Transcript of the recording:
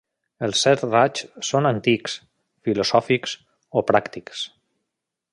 Els set raigs són antics, filosòfics o pràctics.